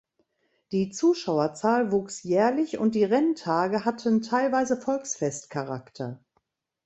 Die Zuschauerzahl wuchs jährlich und die Renntage hatten teilweise Volksfestcharakter.